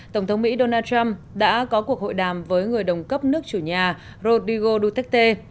tổng thống mỹ donald trump đã có cuộc hội đàm với người đồng cấp nước chủ nhà rodrigo duterte